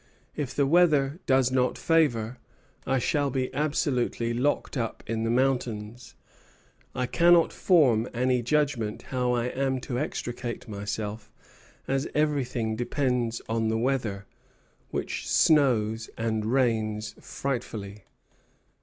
If the weather does not favor, I shall be absolutely locked up in the mountains. I cannot form any judgment how I am to extricate myself, as everything depends on the weather, which snows and rains frightfully."